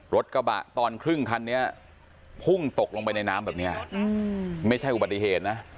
รถกระบะตอนครึ่งคันนี้พุ่งตกลงไปในน้ำแบบนี้ไม่ใช่อุบัติเหตุนะ